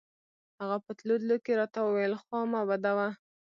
هغه په تلو تلو کښې راته وويل خوا مه بدوه.